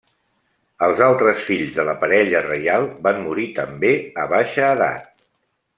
Els altres fills de la parella reial van morir també a baixa edat.